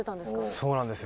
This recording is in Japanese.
そうなんですよ。